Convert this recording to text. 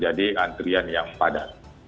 jadi kita harus mencari antrean yang padat